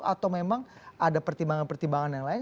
atau memang ada pertimbangan pertimbangan yang lain